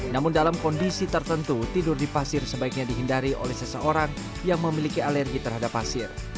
namun dalam kondisi tertentu tidur di pasir sebaiknya dihindari oleh seseorang yang memiliki alergi terhadap pasir